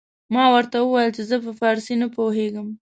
ما ورته وويل چې زه په فارسي نه پوهېږم.